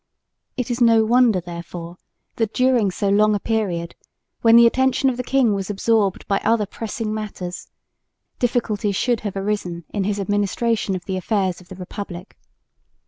It is no wonder therefore that during so long a period, when the attention of the king was absorbed by other pressing matters, difficulties should have arisen in his administration of the affairs of the Republic.